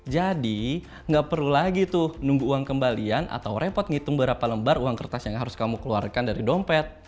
jadi nggak perlu lagi tuh nunggu uang kembalian atau repot ngitung berapa lembar uang kertas yang harus kamu keluarkan dari dompet